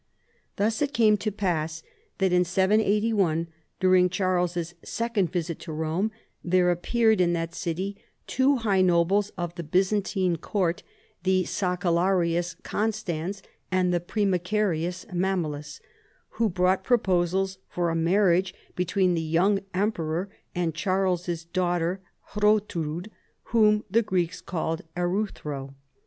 Thus it came to pass that in 781, during Charles's second visit to Rome, there ap peared in that city two high nobles of the Byzantine Court, the sacellarius Constans and the primicerius Mamalus, who brought proposals for a marriage be tween the young emperor and Charles's daughter Ilrotrud, whom the Greeks called Eruthro.